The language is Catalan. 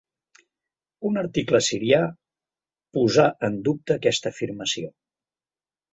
Un article sirià posà en dubte aquesta afirmació.